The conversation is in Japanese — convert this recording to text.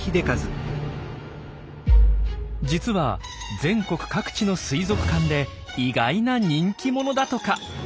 実は全国各地の水族館で意外な人気者だとか。